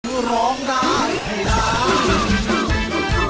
เพื่อร้องได้ให้ร้อง